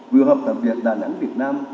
vừa học tập việt đà nẵng việt nam